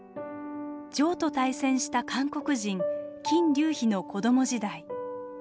ジョーと対戦した韓国人金竜飛の子ども時代。